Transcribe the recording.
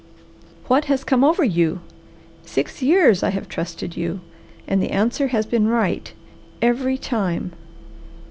"What has come over you? Six years I have trusted you, and the answer has been right, every time!